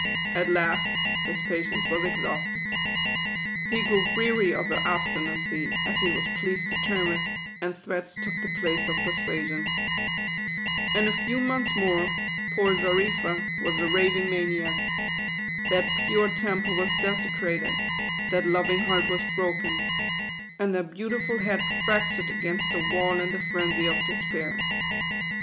At last his patience was exhausted. He grew THE QUADROONS. weary of her obstinacy y as he was pleased to term it ; and threats took the place of persuasion. SA. V, J┬Ż V Jji *7f* "75" "TP ŌĆó77 "75" Vf" In a few months more, poor Xarifa was a raving maniac. That pure temple was desecrated ; that loving heart was broken; and that beautiful head fractured against the wall in the frenzy of despair.